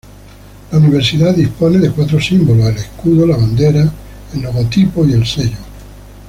La Universidad dispone de cuatro símbolos: el escudo, la bandera, logotipo y el sello.